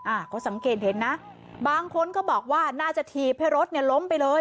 อ่าเขาสังเกตเห็นนะบางคนก็บอกว่าน่าจะถีบให้รถเนี่ยล้มไปเลย